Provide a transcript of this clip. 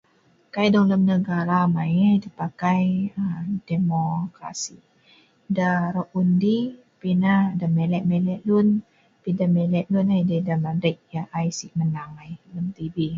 Kai lem dong negara amai ai deh pakai demo khas ai, deh aro' undi, pi nah deh mileh-mileh lun, pi deh mileh lun ai dei deh madei' ai si menang ai lem tv